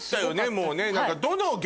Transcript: もうね。